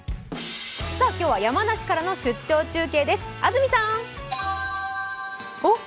今日は山梨からの出張中継です、安住さーん。